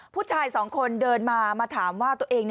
ผู้ชายสองคนเดินมามาถามว่าตัวเอง